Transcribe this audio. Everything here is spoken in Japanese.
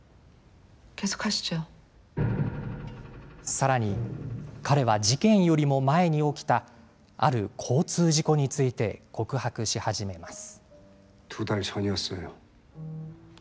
さらに彼は事件よりも前に起きたある交通事故について告白し始めます。